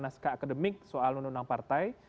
naskah akademik soal undang undang partai